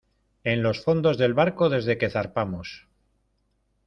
en los fondos del barco desde que zarpamos.